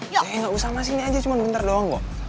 ya nggak usah mas ini aja cuma bentar doang go